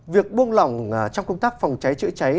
việc buông lỏng trong công tác phòng cháy chữa cháy